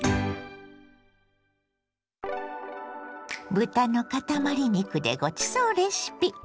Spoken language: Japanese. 豚のかたまり肉でごちそうレシピ。